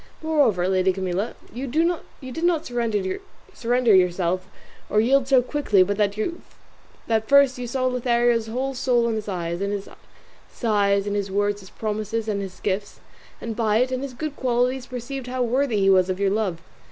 Moreover, lady Camilla, you did not surrender yourself or yield so quickly but that first you saw Lothario's whole soul in his eyes, in his sighs, in his words, his promises and his gifts, and by it and his good qualities perceived how worthy he was of your love.